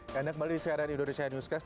karena kembali di cnn indonesia newscast